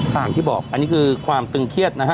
อย่างที่บอกอันนี้คือความตึงเครียดนะฮะ